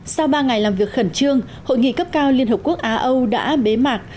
sau ba ngày làm việc khẩn trương hội nghị cấp cao liên hợp quốc á âu đã bế mạc